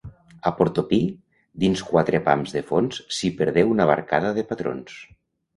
A Portopí, dins quatre pams de fons s'hi perdé una barcada de patrons.